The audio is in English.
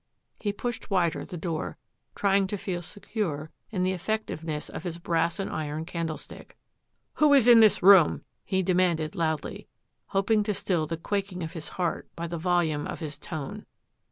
He pushed wider the door, trying to feel secure in the effectiveness of his brass and iron candle stick. "Who is in this room?" he demanded loudly, hoping to still the quaking of his heart by the volume of his tone.